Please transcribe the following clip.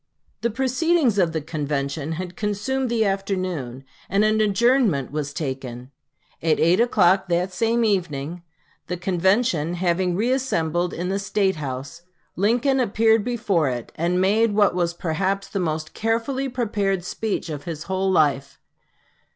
The proceedings of the convention had consumed the afternoon, and an adjournment was taken. At 8 o'clock that same evening, the convention having reassembled in the State house, Lincoln appeared before it, and made what was perhaps the most carefully prepared speech of his whole life.